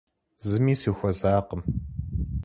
Зыми сыхуэзакъым.